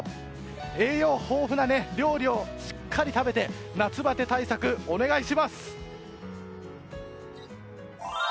栄養豊富な料理をしっかり食べて夏バテ対策、お願いします！